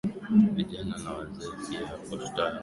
vijana na wazee piaHapa tutaongelea aina mbili za